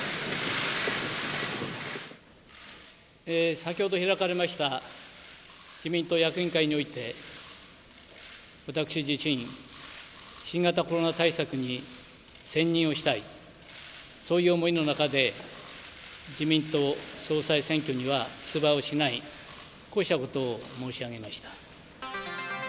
先ほど開かれました自民党役員会において、私自身、新型コロナ対策に専任をしたい、そういう思いの中で、自民党総裁選挙には出馬をしない、こうしたことを申し上げました。